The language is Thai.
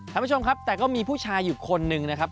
ท่านผู้ชมครับแต่ก็มีผู้ชายอยู่คนหนึ่งนะครับ